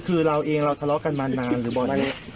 คือเราเองเราทะเลาะกันมานานหรือบ่อย